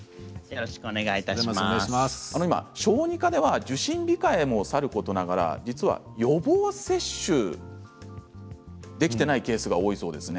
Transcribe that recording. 今、小児科では受診控えもさることながら予防接種ができていないケースが多いそうですね。